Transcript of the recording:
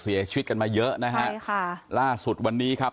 เสียชีวิตกันมาเยอะนะฮะครับและสุดวันนี้คับ